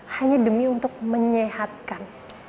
hanya demi untuk menyehatkan